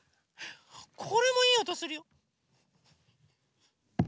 これもいいおとするよ！